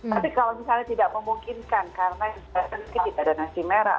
tapi kalau misalnya tidak memungkinkan karena mungkin tidak ada nasi merah